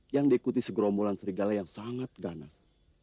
yang diikuti segerombolan serigala yang sangat ganas